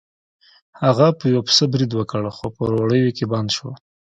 هغه په یو پسه برید وکړ خو په وړیو کې بند شو.